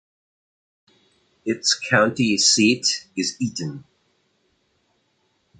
Its county seat is Eaton.